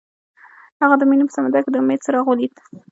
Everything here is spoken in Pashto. هغه د مینه په سمندر کې د امید څراغ ولید.